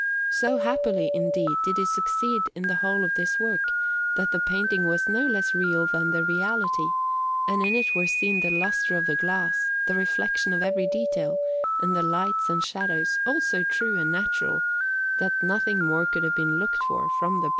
So happily, indeed, did he succeed in the whole of this work, that the painting was no less real than the reality, and in it were seen the lustre of the glass, the reflection of every detail, and the lights and shadows, all so true and natural, that nothing more could have been looked for from the brain of man.